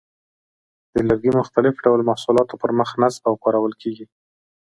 د لرګي مختلف ډول محصولاتو پر مخ نصب او کارول کېږي.